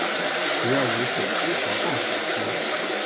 主要为水栖或半水栖。